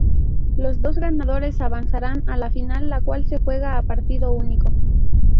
Los dos ganadores avanzarán a la final la cual se juega a partido único.